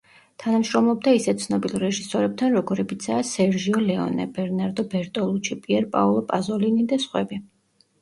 თანამშრომლობდა ისეთ ცნობილ რეჟისორებთან, როგორებიცაა სერჟიო ლეონე, ბერნარდო ბერტოლუჩი, პიერ პაოლო პაზოლინი და სხვები.